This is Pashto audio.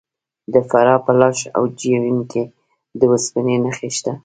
د فراه په لاش او جوین کې د وسپنې نښې شته.